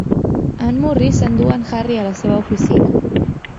En Murri s'endú en Harry a la seva oficina.